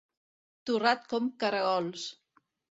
Torrat com caragols.